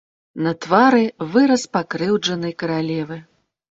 На твары выраз пакрыўджанай каралевы.